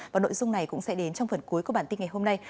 và nội dung này cũng sẽ đến trong phần cuối của bản tin ngày hôm nay